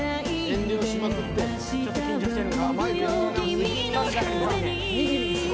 遠慮しまくってちょっと緊張してる。